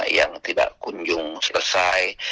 yang tidak kunjung selesai